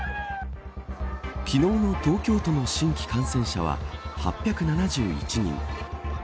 昨日の東京都の新規感染者は８７１人。